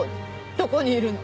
どこにいるの？